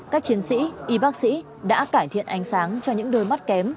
các chiến sĩ y bác sĩ đã cải thiện ánh sáng cho những đôi mắt kém